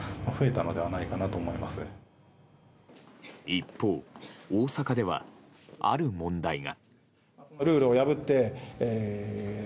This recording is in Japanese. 一方、大阪では、ある問題が。